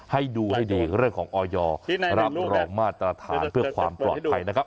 ให้ดูให้ดีเรื่องของออยรับรองมาตรฐานเพื่อความปลอดภัยนะครับ